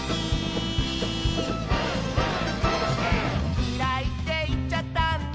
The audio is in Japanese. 「きらいっていっちゃったんだ」